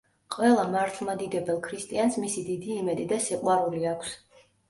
ყველა მართლმადიდებელ ქრისტიანს მისი დიდი იმედი და სიყვარული აქვს.